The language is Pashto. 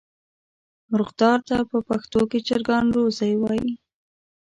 مرغدار ته په پښتو کې چرګان روزی وایي.